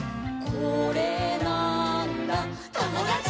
「これなーんだ『ともだち！』」